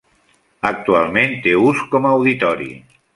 Actualment té ús com a auditori.